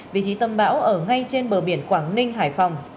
vị trí tâm bão ở ngay trên bờ biển quảng ninh hải phòng